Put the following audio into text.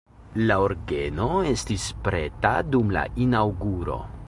La orgeno estis preta dum la inaŭguro.